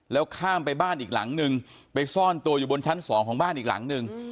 แล้วข้ามไปบ้านอีกหลังนึงไปซ่อนตัวอยู่บนชั้นสองของบ้านอีกหลังนึง